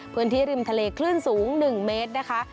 พื้นที่ริมทะเลคลื่นสูง๑เมตรนะคะ